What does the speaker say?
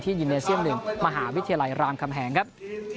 ยินเอเซียม๑มหาวิทยาลัยรามคำแหงครับ